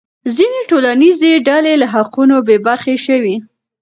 ځینې ټولنیزې ډلې له حقونو بې برخې شوې.